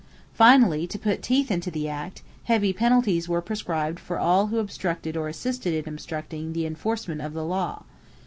Finally, to "put teeth" into the act, heavy penalties were prescribed for all who obstructed or assisted in obstructing the enforcement of the law.